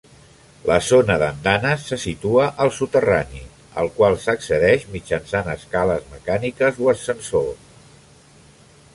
La zona d'andanes se situa al soterrani, al qual s'accedeix mitjançant escales mecàniques o ascensor.